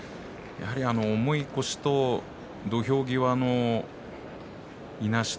重い腰、土俵際のいなし